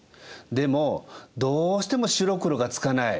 でもどうしても白黒がつかない。